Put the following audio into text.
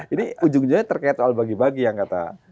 ini ujung ujungnya terkait soal bagi bagi yang kata